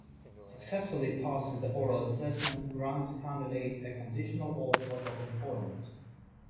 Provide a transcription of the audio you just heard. Successfully passing the oral assessment grants a candidate a conditional offer of employment.